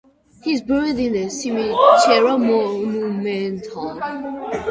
He's buried in the "Cimitero Monumentale".